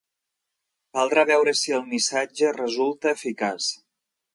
Caldrà veure si el missatge resulta eficaç